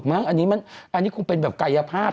อันนี้คงเป็นแบบกายภาพ